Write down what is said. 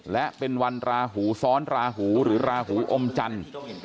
และเป็นวันราหูซ้อนราหูหรือราหูอมจันทร์